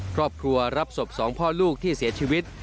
ครอบครัวรับศพสองพ่อลูกที่เสียชีวิต